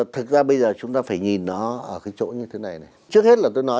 thực ra bây giờ chúng ta phải nhìn nó